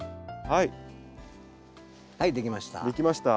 はいできました。